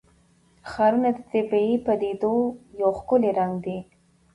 ښارونه د طبیعي پدیدو یو ښکلی رنګ دی.